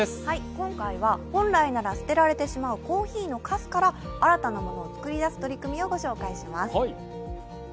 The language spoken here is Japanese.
今回は本来なら捨てられてしまうコーヒーのかすから新たなものを作り出す取り組みをご紹介します。